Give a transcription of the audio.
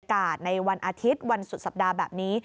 ในวันอาทิตย์วันสุดสัปดาห์แบบนี้